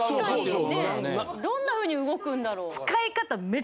どんなふうに動くんだろう？